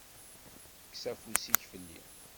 Kkes afus-ik fell-i.